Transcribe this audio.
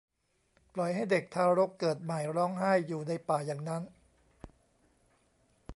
ปล่อยให้เด็กทารกเกิดใหม่ร้องไห้อยู่ในป่าอย่างนั้น